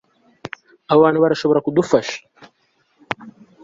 abo bantu barashobora kudufasha